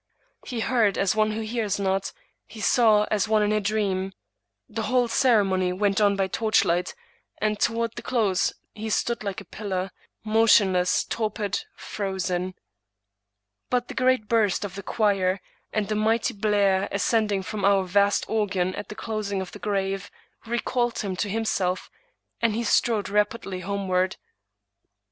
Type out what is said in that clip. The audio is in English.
He heard as one who hears not; he saw as one in a dream. The whole ceremony went on by torchlight, and toward the close he stood like a pil lar, motionless, torpid, frozen. But the great burst of the choir, and the mighty blare ascending from our vast organ at the closing of the grave, recalled him to himself, and he strode rapidly homeward.